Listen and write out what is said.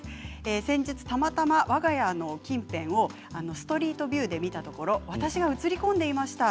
先日たまたまわが家の近辺をストリートビューで見たところ私が写り込んでいました。